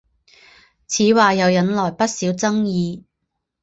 此话又引来不少争议。